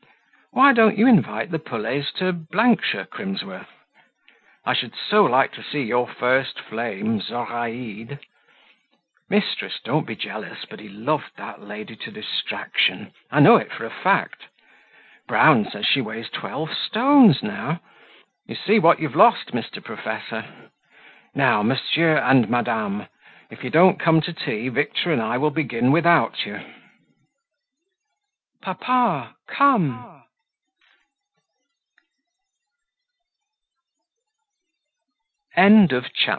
Why don't you invite the Pelets to shire, Crimsworth? I should so like to see your first flame, Zoraide. Mistress, don't be jealous, but he loved that lady to distraction; I know it for a fact. Brown says she weighs twelve stones now; you see what you've lost, Mr. Professor. Now, Monsieur and Madame, if you don't come to tea, Victor and I will begin without you." "Papa, come!"